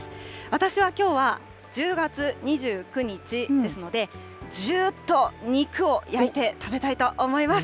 私はきょうは、１０月２９日ですので、じゅーっと肉を焼いて食べたいと思います。